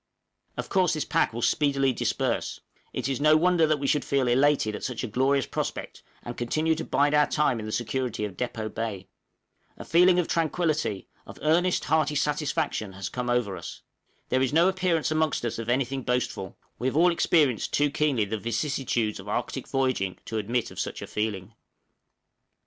Of course this pack will speedily disperse; it is no wonder that we should feel elated at such a glorious prospect, and content to bide our time in the security of Depôt Bay. A feeling of tranquillity of earnest, hearty satisfaction has come over us. There is no appearance amongst us of anything boastful; we have all experienced too keenly the vicissitudes of Arctic voyaging to admit of such a feeling.